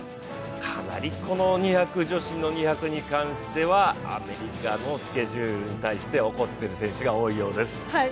かなり女子の２００に関してはアメリカのスケジュールに対して怒っている選手が多いようです。